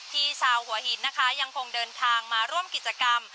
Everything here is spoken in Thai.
ชาวหัวหินนะคะยังคงเดินทางมาร่วมกิจกรรม